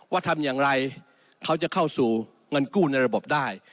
ทำอย่างไรเขาจะเข้าสู่เงินกู้ในระบบได้